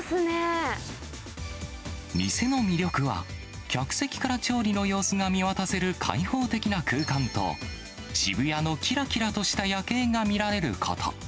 店の魅力は、客席から調理の様子が見渡せる開放的な空間と、渋谷のきらきらとした夜景が見られること。